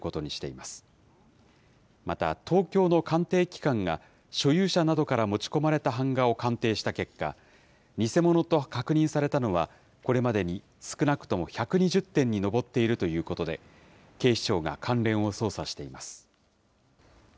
また、東京の鑑定機関が所有者などから持ち込まれた版画を鑑定した結果、偽物と確認されたのはこれまでに少なくとも１２０点に上っているということで、警視庁が関連を捜査しています。